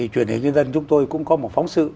chuyển đến dân chúng tôi cũng có một phóng sự